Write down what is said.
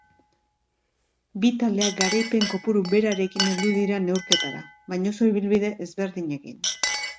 Bi taldeak garaipen kopuru berarekin heldu dira neurketara, baina oso ibilbide ezberdinekin.